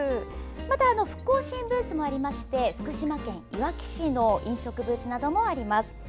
また復興支援ブースもありまして福島県いわき市の飲食ブースもあります。